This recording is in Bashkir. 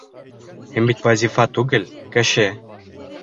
Һин бит вазифа түгел, кеше!